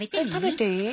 食べていい？